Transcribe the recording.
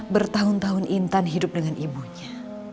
bertahun tahun intan hidup dengan ibunya